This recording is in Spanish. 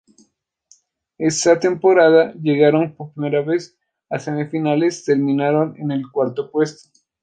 Esa temporada, llegaron por primera vez a semifinales, terminando en el cuarto puesto.